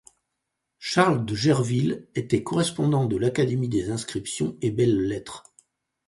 Charles de Gerville était correspondant de l'Académie des inscriptions et belles-lettres.